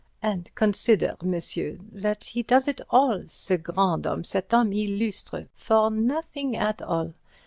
And consider, monsieur, that he does it all, ce grand homme, cet homme illustre, for nothing at all.